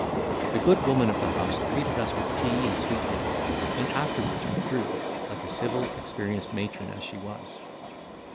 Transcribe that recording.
The good woman of the house treated us with tea and sweetmeats, and afterwards withdrew, like a civil experienced matron as she was.